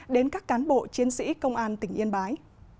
đến các cán bộ chiến sĩ công an tỉnh yên bái